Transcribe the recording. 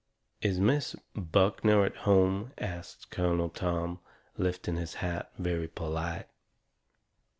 "Is Miss Buckner at home?" asts Colonel Tom, lifting his hat very polite.